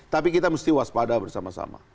tapi kita mesti waspada bersama sama